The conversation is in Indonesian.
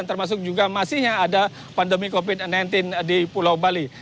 termasuk juga masihnya ada pandemi covid sembilan belas di pulau bali